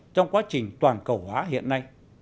trong quá trình toàn cầu hóa hiện nay